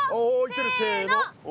せの。